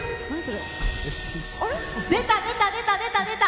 出た出た出た出た出た！